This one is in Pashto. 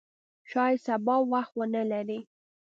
شاید سبا وخت ونه لرې !